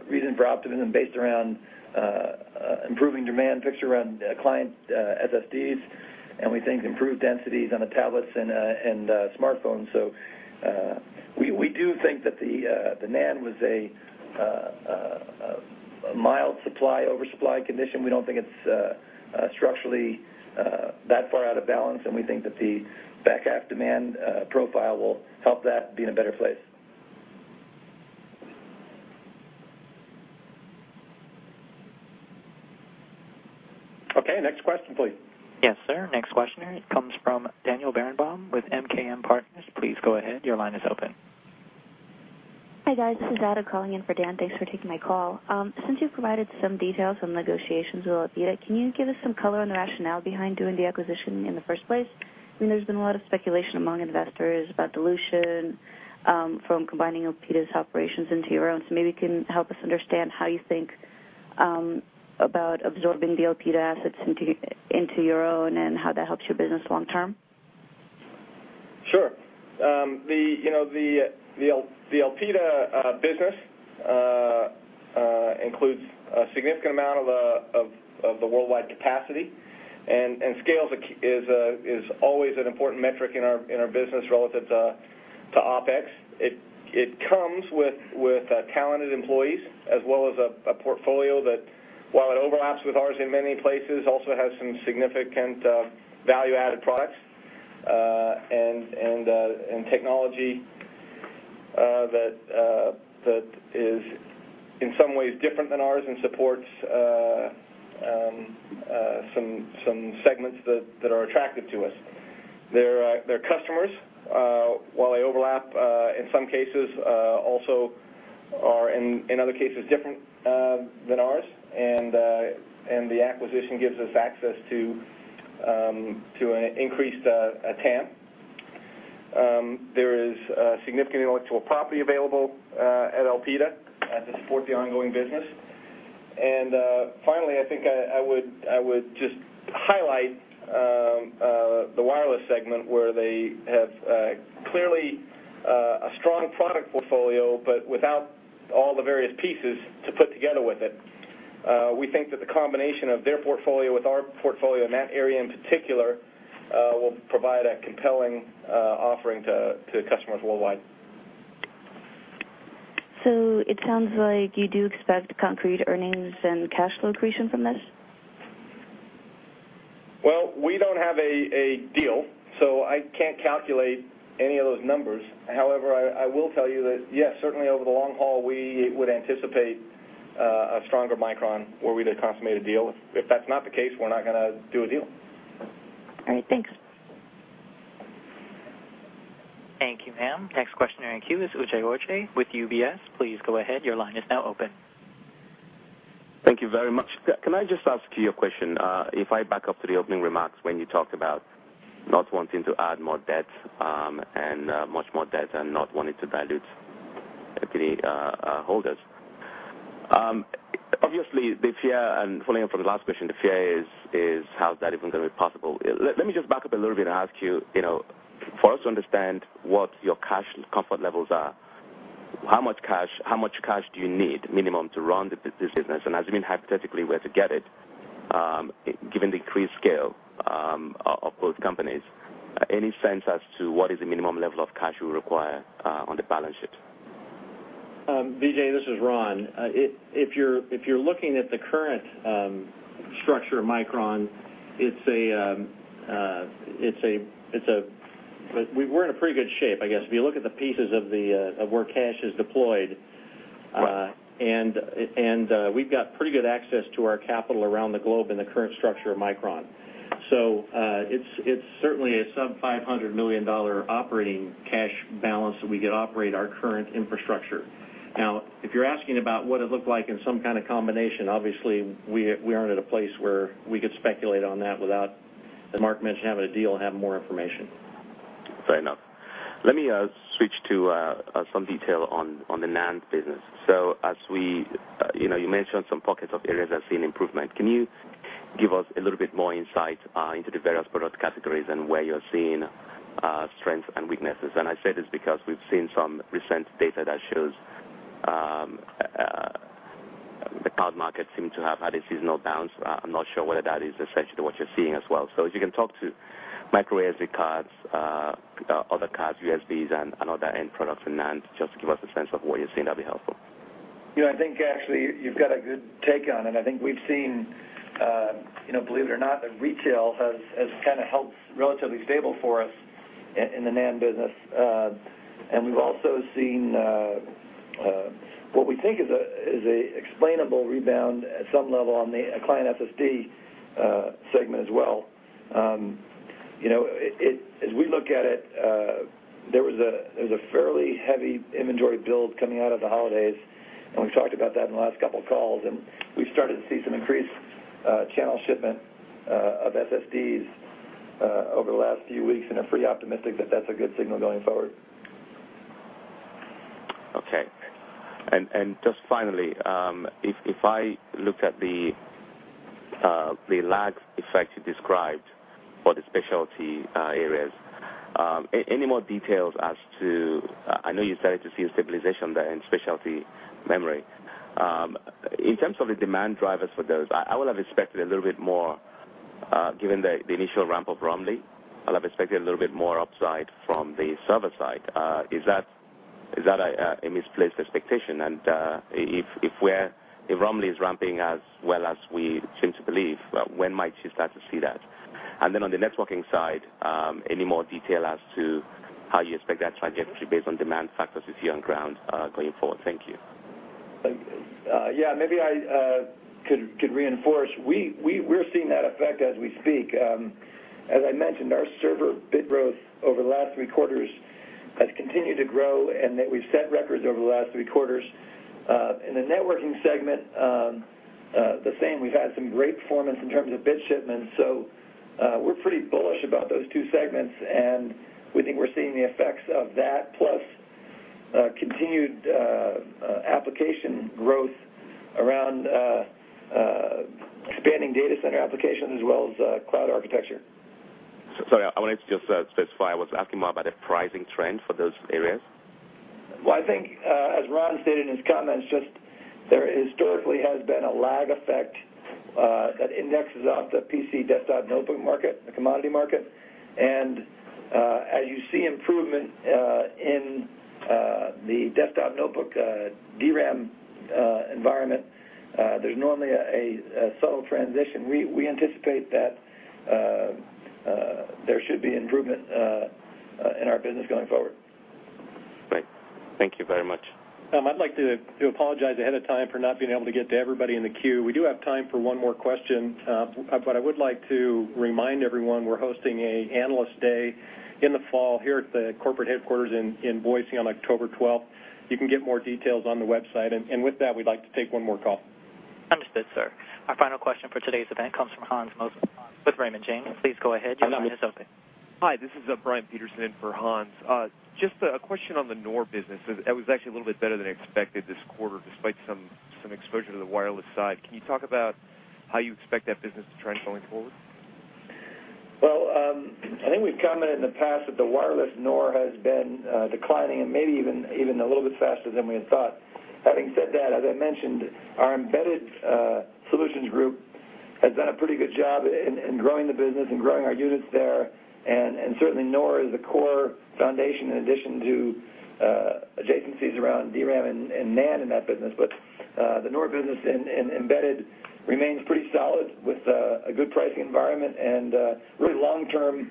[SPEAKER 6] reason for optimism based around improving demand picture around client SSDs, we think improved densities on the tablets and smartphones. We do think that the NAND was a mild supply oversupply condition. We don't think it's structurally that far out of balance, we think that the back-half demand profile will help that be in a better place.
[SPEAKER 2] Okay, next question, please.
[SPEAKER 1] Yes, sir. Next question comes from Daniel Berenbaum with MKM Partners. Please go ahead. Your line is open.
[SPEAKER 12] Hi, guys. This is Ada calling in for Dan. Thanks for taking my call. Since you've provided some details on negotiations with Elpida, can you give us some color on the rationale behind doing the acquisition in the first place? There's been a lot of speculation among investors about dilution from combining Elpida's operations into your own, so maybe you can help us understand how you think about absorbing the Elpida assets into your own and how that helps your business long term.
[SPEAKER 4] Sure. The Elpida business includes a significant amount of the worldwide capacity, scale is always an important metric in our business relative to OpEx. It comes with talented employees as well as a portfolio that, while it overlaps with ours in many places, also has some significant value-added products and technology that is in some ways different than ours and supports some segments that are attractive to us. Their customers, while they overlap in some cases, also are, in other cases, different than ours, and the acquisition gives us access to an increased TAM. There is significant intellectual property available at Elpida to support the ongoing business. Finally, I think I would just highlight the wireless segment, where they have clearly a strong product portfolio, but without all the various pieces to put together with it. We think that the combination of their portfolio with our portfolio in that area in particular will provide a compelling offering to customers worldwide.
[SPEAKER 12] It sounds like you do expect concrete earnings and cash flow accretion from this?
[SPEAKER 4] Well, we don't have a deal, so I can't calculate any of those numbers. However, I will tell you that yes, certainly over the long haul, we would anticipate a stronger Micron were we to consummate a deal. If that's not the case, we're not going to do a deal.
[SPEAKER 12] All right. Thanks.
[SPEAKER 1] Thank you, ma'am. Next questioner in queue is Uche Orji with UBS. Please go ahead. Your line is now open.
[SPEAKER 13] Thank you very much. Can I just ask you a question? If I back up to the opening remarks when you talked about not wanting to add more debt, and much more debt and not wanting to dilute equity holders. Obviously, the fear and following up from the last question, the fear is how is that even going to be possible? Let me just back up a little bit and ask you, for us to understand what your cash comfort levels are, how much cash do you need minimum to run this business? Assuming hypothetically where to get it, given the increased scale of both companies, any sense as to what is the minimum level of cash you require on the balance sheet?
[SPEAKER 5] Uche, this is Ron. If you're looking at the current structure of Micron, we're in a pretty good shape, I guess. If you look at the pieces of where cash is deployed, and we've got pretty good access to our capital around the globe in the current structure of Micron. It's certainly a sub $500 million operating cash balance that we could operate our current infrastructure. Now, if you're asking about what it looked like in some kind of combination, obviously, we aren't at a place where we could speculate on that without, as Mark mentioned, having a deal and have more information.
[SPEAKER 13] Fair enough. Let me switch to some detail on the NAND business. As you mentioned some pockets of areas that have seen improvement. Can you give us a little bit more insight into the various product categories and where you're seeing strengths and weaknesses? I say this because we've seen some recent data that shows the cloud market seemed to have had a seasonal bounce. I'm not sure whether that is essentially what you're seeing as well. If you can talk to microSD cards, other cards, USBs, and other end products in NAND, just to give us a sense of what you're seeing, that'd be helpful.
[SPEAKER 6] I think actually you've got a good take on it. I think we've seen, believe it or not, that retail has kind of held relatively stable for us in the NAND business. We've also seen what we think is a explainable rebound at some level on the client SSD segment as well. As we look at it, there was a fairly heavy inventory build coming out of the holidays, and we've talked about that in the last couple of calls, and we've started to see some increased channel shipment of SSDs over the last few weeks and are pretty optimistic that that's a good signal going forward.
[SPEAKER 13] Okay. Just finally, if I looked at the lag effect you described for the specialty areas, any more details. I know you started to see a stabilization there in specialty memory. In terms of the demand drivers for those, I would have expected a little bit more given the initial ramp of Romley. I'd have expected a little bit more upside from the server side. Is that a misplaced expectation? If Romley is ramping as well as we seem to believe, when might you start to see that? Then on the networking side, any more detail as to how you expect that to actually based on demand factors you see on ground going forward? Thank you.
[SPEAKER 6] Yeah, maybe I could reinforce. We're seeing that effect as we speak. As I mentioned, our server bit growth over the last three quarters has continued to grow, and that we've set records over the last three quarters. In the networking segment, the same. We've had some great performance in terms of bit shipments. We're pretty bullish about those two segments, and we think we're seeing the effects of that, plus continued application growth around expanding data center applications as well as cloud architecture.
[SPEAKER 13] Sorry, I wanted to just specify, I was asking more about a pricing trend for those areas.
[SPEAKER 6] Well, I think, as Ron stated in his comments, just there historically has been a lag effect that indexes off the PC desktop notebook market, the commodity market. As you see improvement in the desktop notebook DRAM environment, there's normally a subtle transition. We anticipate that there should be improvement in our business going forward.
[SPEAKER 13] Great. Thank you very much.
[SPEAKER 2] I'd like to apologize ahead of time for not being able to get to everybody in the queue. We do have time for one more question. I would like to remind everyone, we're hosting an Analyst Day in the fall here at the corporate headquarters in Boise on October 12th. You can get more details on the website. With that, we'd like to take one more call.
[SPEAKER 1] Understood, sir. Our final question for today's event comes from Hans Mosesmann Raymond James. Please go ahead. Your line is open.
[SPEAKER 14] Hi, this is Brian Peterson in for Hans. Just a question on the NOR business. That was actually a little bit better than expected this quarter, despite some exposure to the wireless side. Can you talk about how you expect that business to trend going forward?
[SPEAKER 6] Well, I think we've commented in the past that the wireless NOR has been declining and maybe even a little bit faster than we had thought. Having said that, as I mentioned, our Embedded Solutions Group has done a pretty good job in growing the business and growing our units there. Certainly NOR is a core foundation in addition to adjacencies around DRAM and NAND in that business. The NOR business in embedded remains pretty solid with a good pricing environment and really long-term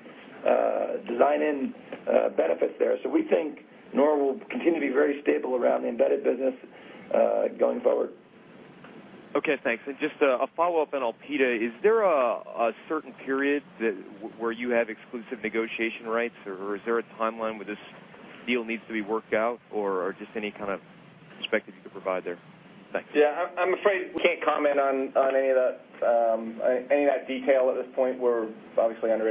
[SPEAKER 6] design-in benefits there. We think NOR will continue to be very stable around the embedded business going forward.
[SPEAKER 14] Okay, thanks. Just a follow-up on Elpida. Is there a certain period where you have exclusive negotiation rights, or is there a timeline where this deal needs to be worked out? Just any kind of perspective you could provide there? Thanks.
[SPEAKER 2] Yeah, I'm afraid we can't comment on any of that detail at this point. We're obviously under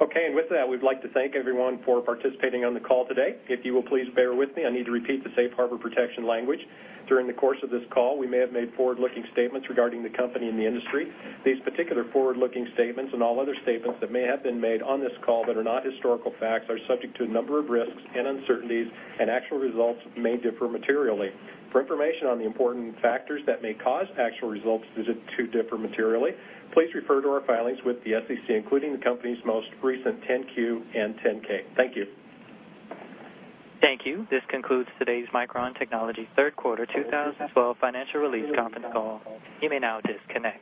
[SPEAKER 2] NDA. Okay, with that, we'd like to thank everyone for participating on the call today. If you will please bear with me, I need to repeat the safe harbor protection language. During the course of this call, we may have made forward-looking statements regarding the company and the industry. These particular forward-looking statements and all other statements that may have been made on this call that are not historical facts are subject to a number of risks and uncertainties, and actual results may differ materially. For information on the important factors that may cause actual results to differ materially, please refer to our filings with the SEC, including the company's most recent 10-Q and 10-K. Thank you.
[SPEAKER 1] Thank you. This concludes today's Micron Technology third quarter 2012 financial release conference call. You may now disconnect.